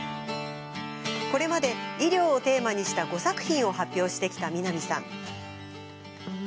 これまで医療をテーマにした５作品を発表してきた南さん。